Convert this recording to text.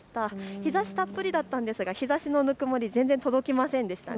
日ざしたっぷりだったんですが、日ざしのぬくもり届きませんでしたね。